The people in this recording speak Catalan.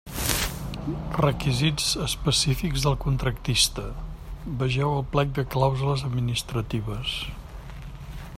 Requisits específics del contractista: vegeu el plec de clàusules administratives.